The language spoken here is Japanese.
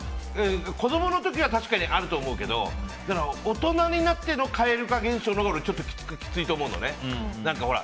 子供の時は確かにあると思うけど大人になっての蛙化現象のほうはちょっときついと思うのね。